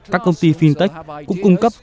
các công ty fintech cũng cung cấp